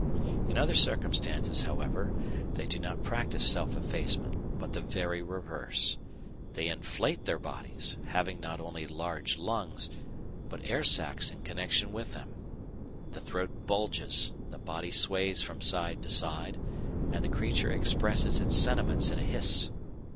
In other circumstances, however, they do not practise self effacement, but the very reverse. They inflate their bodies, having not only large lungs, but air sacs in connection with them. The throat bulges; the body sways from side to side; and the creature expresses its sentiments in a hiss.